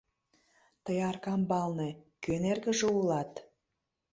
— Тый Аркамбалне кӧн эргыже улат?